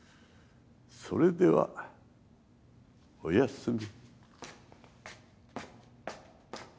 それではおやすみ。